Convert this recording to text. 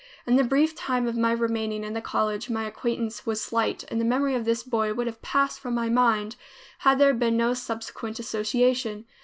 In the brief time of my remaining in the college, my acquaintance was slight and the memory of this boy would have passed from my mind, had there been no subsequent association.